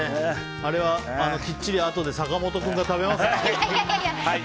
あれはきっちりあとで坂本君が食べますので。